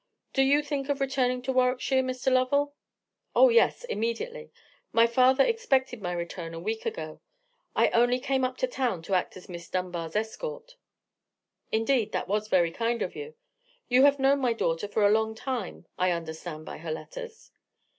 Do you think of returning to Warwickshire, Mr. Lovell?" "Oh, yes, immediately. My father expected my return a week ago. I only came up to town to act as Miss Dunbar's escort." "Indeed, that was very kind of you. You have known my daughter for a long time, I understand by her letters."